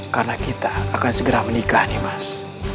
karena kita akan segera menikah nimas